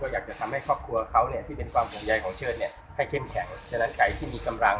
ก็อยากจะทำให้ครับกับเขาเนี่ยที่เป็นปลุงใจของเชิดเนี่ยที่เห็นแค่นั้นไขที่มีกำลัง